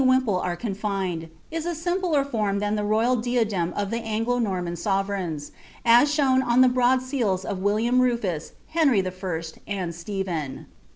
155 wimple are confined, is of a simpler fonn than the royal dia<lem8 o(^ the Anglo Norman sorereigns, as shown on the broad seals of William Ru fii&. Henry 1., and Stephen.